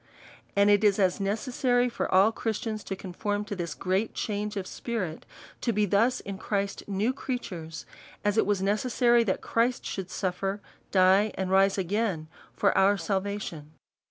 And it is as necessary for all Christians to conform to this great change of spirit, to be thus in Christ new creatures, as it was necessary that Christ should sutfer, die, and rise again for our salvation.